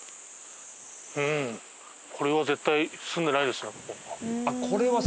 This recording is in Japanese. これは絶対住んでないですよ。